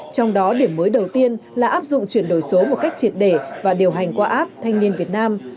trong đó điểm mới đầu tiên là áp dụng chuyển đổi số một cách triệt để và điều hành qua app thanh niên việt nam